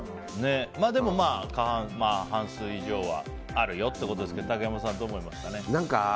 でも、まあ半数以上はあるよってことですけど竹山さん、どう思いますか？